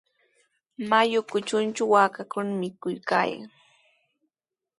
Mayu kutruntraw waakakuna mikuykaayan.